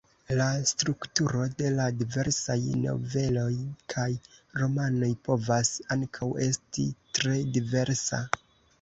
La strukturo de la diversaj noveloj kaj romanoj povas ankaŭ esti tre diversa.